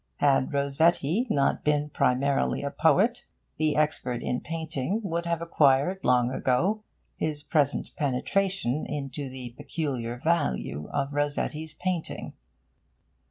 Had Rossetti not been primarily a poet, the expert in painting would have acquired long ago his present penetration into the peculiar value of Rossetti's painting.